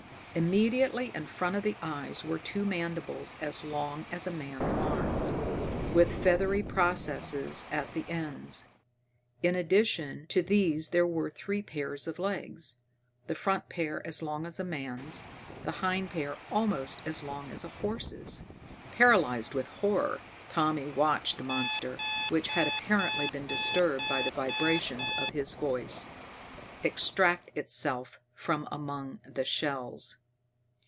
Immediately in front of the eyes were two mandibles as long as a man's arms, with feathery processes at the ends. In addition to these there were three pairs of legs, the front pair as long as a man's, the hind pair almost as long as a horse's. Paralyzed with horror, Tommy watched the monster, which had apparently been disturbed by the vibrations of his voice, extract itself from among the shells.